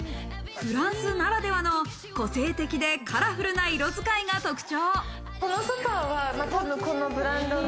フランスならではの個性的でカラフルな色使いが特徴。